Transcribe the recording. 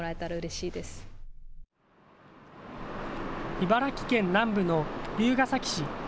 茨城県南部の龍ケ崎市。